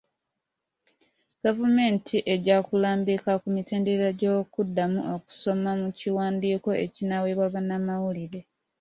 Gavumenti ejja kulambika ku mitendera gy'okuddamu okusoma mu kiwandiiko ekinaaweebwa bannamawulire.